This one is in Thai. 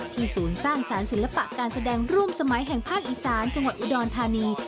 ศูนย์สร้างสารศิลปะการแสดงร่วมสมัยแห่งภาคอีสานจังหวัดอุดรธานี